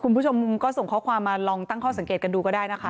คุณผู้ชมก็ส่งข้อความมาลองตั้งข้อสังเกตกันดูก็ได้นะคะ